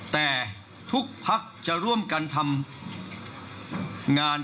แต่ทุกภักดิ์จะร่วมกันทำงาน